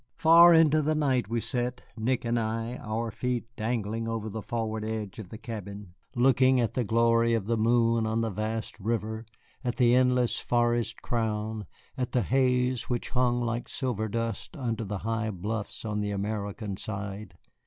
Far into the night we sat, Nick and I, our feet dangling over the forward edge of the cabin, looking at the glory of the moon on the vast river, at the endless forest crown, at the haze which hung like silver dust under the high bluffs on the American side.